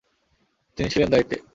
তিনি ছিলেন দায়িত্বে!